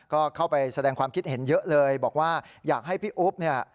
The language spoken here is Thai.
ก็เข้าไปแสดงความคิดเห็นเยอะเลยบอกว่าอยากให้พี่อุ๊บเนี่ย